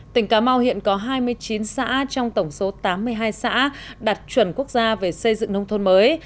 tỉnh cà mau hiện có hai mươi chín xã trong tổng số tám mươi hai xã đạt chuẩn quốc gia về xây dựng nông thôn mới